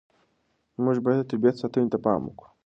موږ باید د طبیعت ساتنې ته پام وکړو.